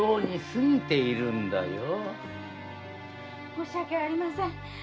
申し訳ありません